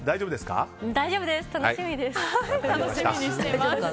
大丈夫ですか？